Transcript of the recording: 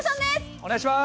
お願いします。